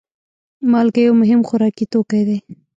مالګه یو مهم خوراکي توکی دی.